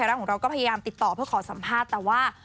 รัฐของเราก็พยายามติดต่อเพื่อขอสัมภาษณ์แต่ว่า